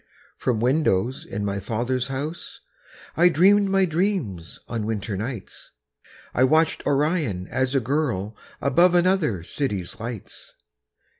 From windows in my father's house, Dreaming my dreams on winter nights, I watched Orion as a girl Above another city's lights.